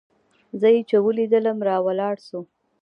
زه چې يې وليدلم راولاړ سو.